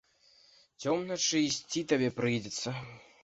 Цёмначы ісці табе прыйдзецца.